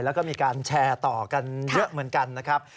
แล้วก็มีการแชร์ต่อกันเยอะเหมือนกันนะครับ